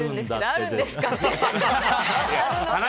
あるんですかね。